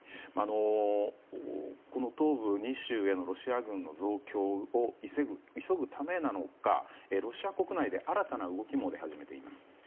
東部２州へのロシア軍の増強を急ぐためなのかロシア国内で新たな動きも出始めています。